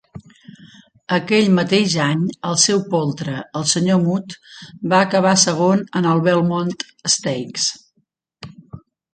Aquell mateix any, el seu poltre, el senyor Mutt, va acabar segon en el Belmont Stakes.